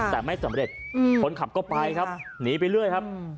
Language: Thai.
แต่ไม่สำเร็จคนขับก็ไปครับหนีไปเรื่อยครับ